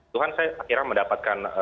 tuhan saya akhirnya mendapatkan